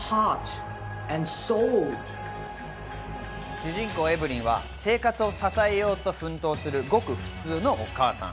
主人公・エヴリンは生活を支えようと奮闘する、ごく普通のお母さん。